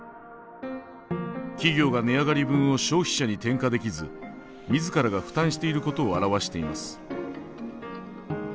企業が値上がり分を消費者に転嫁できず自らが負担していることを表しています。